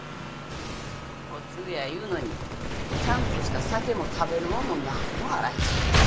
お通夜いうのにちゃんとした酒も食べるもんも何もあらへん。